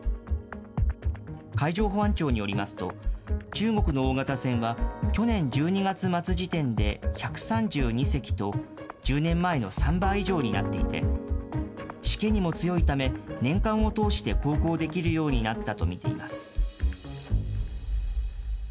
海上保安庁によりますと、中国の大型船は、去年１２月末時点で１３２隻と、１０年前の３倍以上になっていて、しけにも強いため、年間を通して航行できるようになったと見ています。